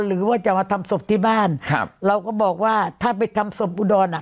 หรือว่าจะมาทำศพที่บ้านครับเราก็บอกว่าถ้าไปทำศพอุดรอ่ะ